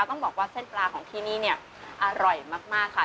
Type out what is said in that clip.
ต้องบอกว่าเส้นปลาของที่นี่เนี่ยอร่อยมากค่ะ